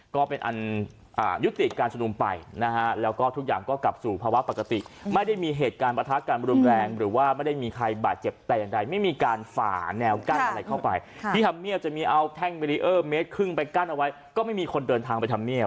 ก็เป็นอันยุติการชุมนุมไปนะฮะแล้วก็ทุกอย่างก็กลับสู่ภาวะปกติไม่ได้มีเหตุการณ์ประทะกันรุนแรงหรือว่าไม่ได้มีใครบาดเจ็บแต่อย่างใดไม่มีการฝ่าแนวกั้นอะไรเข้าไปที่ธรรมเนียบจะมีเอาแท่งเบรีเออร์เมตรครึ่งไปกั้นเอาไว้ก็ไม่มีคนเดินทางไปทำเนียบ